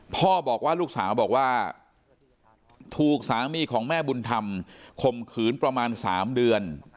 พ่อบอกว่าลูกสาวบอกว่าถูกสามีของแม่บุญธรรมข่มขืนประมาณ๓เดือน